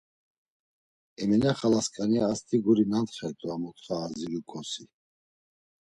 Emine xalasǩani ast̆i guri nantxert̆u a mutxa aziruǩosi.